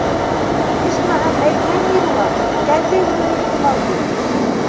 Исмаһам, әйтһәң, ни була, кәнтәй булыуы ихтимал, тип.